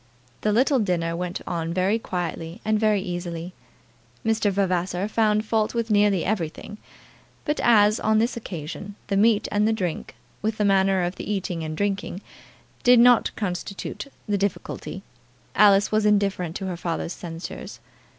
The little dinner went on quietly and very easily. Mr. Vavasor found fault with nearly everything. But as, on this occasion, the meat and the drink, with the manner of the eating and drinking, did not constitute the difficulty, Alice was indifferent to her father's censures.